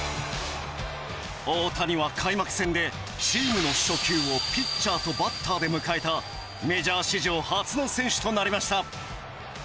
大谷は開幕戦でチームの初球をピッチャーとバッターで迎えたメジャー史上初の選手となりました。